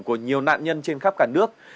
của nhiều nạn nhân trên khắp cả nước